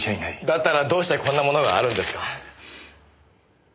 だったらどうしてこんなものがあるんですか？